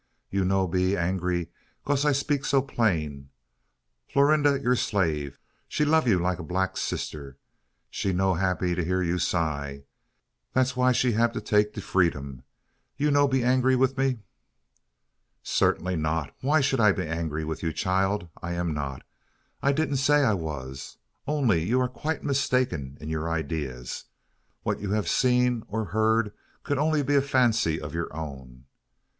You no be angry case I 'peak so plain. Florinda you slave she you lub like brack sisser. She no happy hear you sigh. Dat why she hab take de freedom. You no be angry wif me?" "Certainly not. Why should I be angry with you, child? I'm not. I didn't say I was; only you are quite mistaken in your ideas. What you've seen, or heard, could be only a fancy of your own.